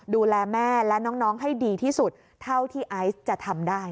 ดูแลแม่และน้องให้ดีที่สุดเท่าที่ไอซ์จะทำได้